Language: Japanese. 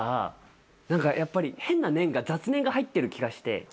何かやっぱり変な念が雑念が入ってる気がして。